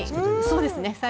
そうですね。